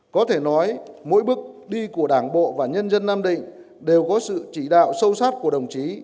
có thể nói mỗi bước đi của đảng bộ và nhân dân nam định đều có sự chỉ đạo sâu sát của đồng chí